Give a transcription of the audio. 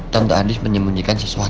tante andis menyembunyikan sesuatu